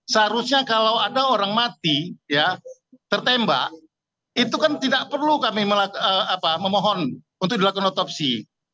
seharusnya kalau ada orang mati tertembak itu kan tidak perlu kami memohon untuk dilakukan otopsi